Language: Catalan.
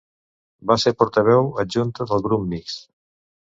Va ser portaveu adjunta del Grup Mixt.